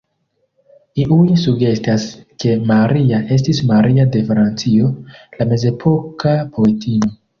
Iuj sugestas ke Maria estis Maria de Francio, la mezepoka poetino.